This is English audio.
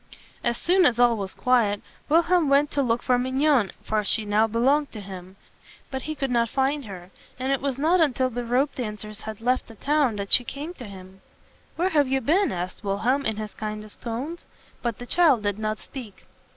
As soon as all was quiet, Wilhelm went to look for Mignon; for she now belonged to him. But he could not find her, and it was not until the ropedancers had left the town that she came to him. "Where have you been?" asked Wilhelm in his kindest tones; but the child did not speak.